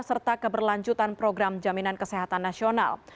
serta keberlanjutan program jaminan kesehatan nasional